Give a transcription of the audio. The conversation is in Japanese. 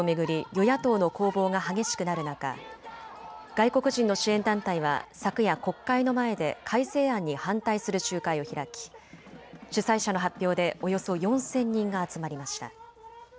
与野党の攻防が激しくなる中、外国人の支援団体は昨夜、国会の前で改正案に反対する集会を開き主催者の発表でおよそ４０００人が集まりました。